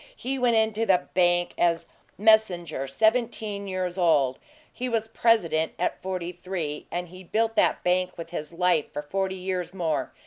He went into the bank as messenger, seventeen years old; he was president at forty three, and he built that bank with his life for forty years more.